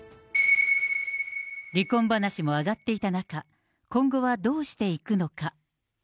離婚話も上がっていた中、今後はどうしていくのか。